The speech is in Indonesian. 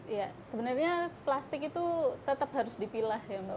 ya sebenarnya plastik itu tetap harus dipilah ya mbak